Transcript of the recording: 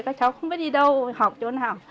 các cháu không biết đi đâu học chỗ nào